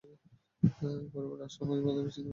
পরিবার আর সমাজ তাদের বিচ্ছিন্ন করে দিয়েছে।